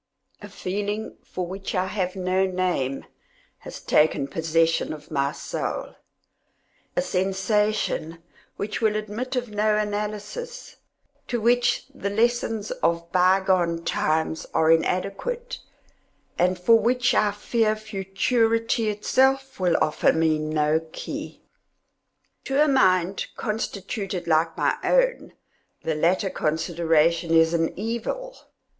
A feeling, for which I have no name, has taken possession of my soul —a sensation which will admit of no analysis, to which the lessons of bygone times are inadequate, and for which I fear futurity itself will offer me no key. To a mind constituted like my own, the latter consideration is an evil.